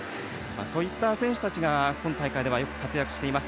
そういった選手たちが今大会では、よく活躍しています。